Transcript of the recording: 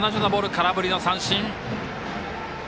空振りの三振。